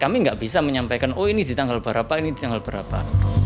kami nggak bisa menyampaikan oh ini di tanggal berapa ini di tanggal berapa